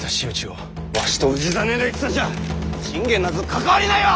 わしと氏真の戦じゃ信玄なぞ関わりないわ！